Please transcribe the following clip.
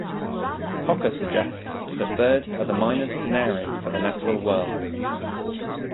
Cocker suggests that birds are the miner's canary for the natural world.